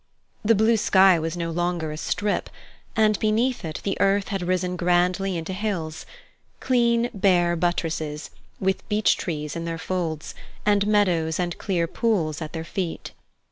The blue sky was no longer a strip, and beneath it the earth had risen grandly into hills clean, bare buttresses, with beech trees in their folds, and meadows and clear pools at their feet.